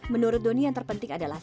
menurut doni yang terpenting adalah